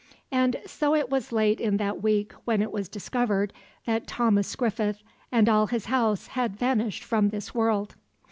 And so it was late in that week when it was discovered that Thomas Griffith and all his house had vanished from this world.